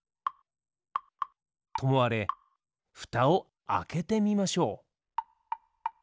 ともあれふたをあけてみましょう。